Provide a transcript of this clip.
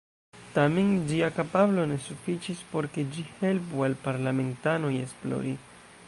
Tamen ĝia kapablo ne sufiĉis por ke ĝi helpu al parlamentanoj esplori.